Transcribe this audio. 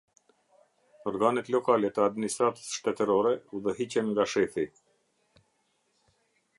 Organet lokale të administratës shtetërore udhëhiqen nga shefi.